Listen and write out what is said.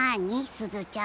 すずちゃん。